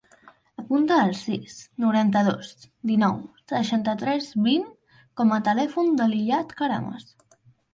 Apunta el sis, noranta-dos, dinou, seixanta-tres, vint com a telèfon de l'Iyad Carames.